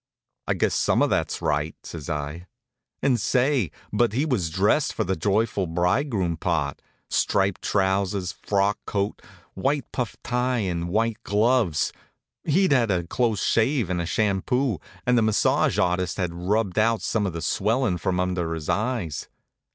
"I guess some of that's right," says I. And say, but he was dressed for the joyful bridegroom part striped trousers, frock coat, white puff tie, and white gloves! He'd had a close shave and a shampoo, and the massage artist had rubbed out some of the swellin' from under his eyes.